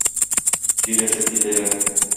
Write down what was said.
Сөйләшеп китәләр.